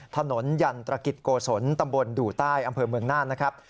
ถนนยันตรกิจโกศลตำบลดู่ใต้อำเภอเมืองน่านนะครับ